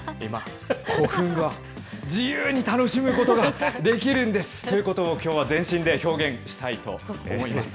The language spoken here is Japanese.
古墳は自由に楽しむことができるんです、ということをきょうは全身で表現したいと思います。